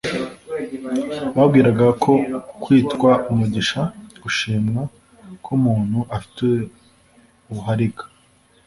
Bibwiraga ko kwitwa Umwigisha, gushimwa ko umuntu afite ubuhariga